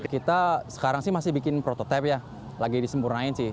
kita sekarang sih masih bikin prototipe ya lagi disempurnain sih